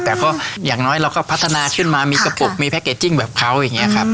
แต่ก็อย่างน้อยเราก็พัฒนาขึ้นมามีกระปุกมีแพ็กเกจจิ้งแบบเขาอย่างนี้ครับ